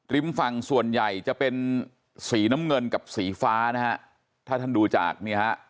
ริมฝั่งส่วนใหญ่จะเป็นสีน้ำเงินกับสีฟ้านะฮะถ้าท่านดูจากเนี่ยฮะ